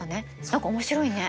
何か面白いね。